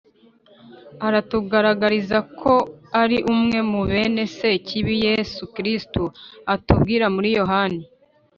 aratugaragariza ko ari umwe muri bene Sekibi Yezu Kristu atubwira muri Yohani